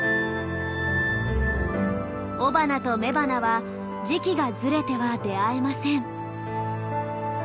雄花と雌花は時期がずれては出会えません。